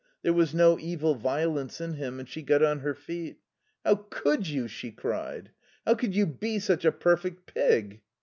There was no evil violence in him, and she got on her feet. "How could you?" she cried. "How could you be such a perfect pig?"